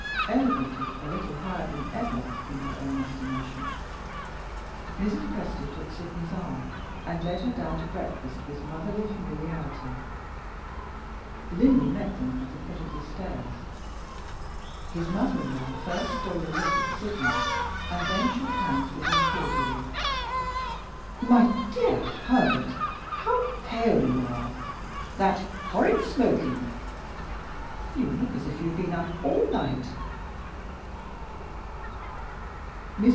Elevated a little higher than ever in her own estimation, Mrs. Presty took Sydney's arm, and led her down to breakfast with motherly familiarity. Linley met them at the foot of the stairs. His mother in law first stole a look at Sydney, and then shook hands with him cordially. "My dear Herbert, how pale you are! That horrid smoking. You look as if you had been up all night."